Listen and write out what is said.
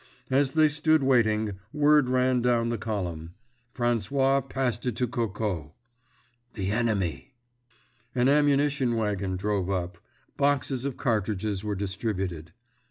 As they stood waiting, word ran down the column—François passed it to Coco—"The enemy!" An ammunition wagon drove up—boxes of cartridges were distributed.